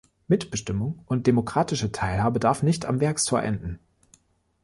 Mitbestimmung und demokratische Teilhabe darf nicht am Werkstor enden.